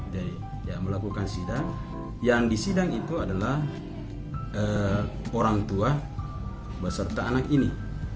jadi melakukan sidang yang di sidang itu adalah orang tua beserta anak ini